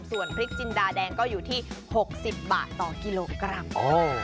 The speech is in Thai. ส่วนพริกจินดาแดงก็อยู่ที่๖๐บาทต่อกิโลกรัม